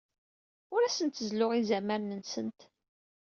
Ur asent-zelluɣ izamaren-nsent.